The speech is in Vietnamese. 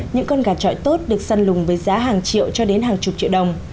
những con gà trọi tốt được săn lùng với giá hàng triệu cho đến hàng chục triệu đồng